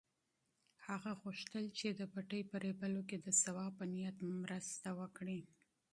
هغه غوښتل چې د پټي په رېبلو کې د ثواب په نیت مرسته وکړي.